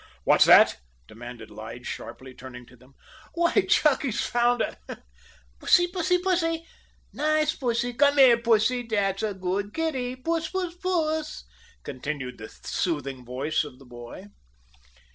"What's that?" demanded Lige sharply, turning to them. "Why, Chunky's found a " "Pussy, pussy, pussy! Nice pussy. Come here, pussy. That's a good kittie. Puss, puss, puss," continued the soothing voice of the boy.